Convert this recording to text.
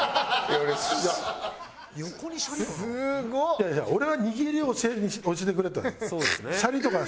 いやいや俺は「握りを教えてくれ」って言われた。